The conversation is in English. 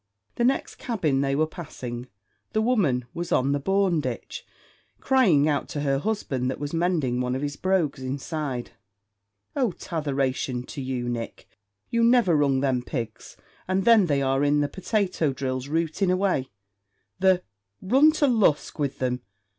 The next cabin they were passing, the woman was on the bawn ditch crying out to her husband that was mending one of his brogues inside: "Oh, tattheration to you, Nick! you never rung them pigs, and there they are in the potato drills rootin' away; the run to Lusk with them."